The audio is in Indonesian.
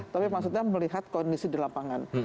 tapi maksudnya melihat kondisi di lapangan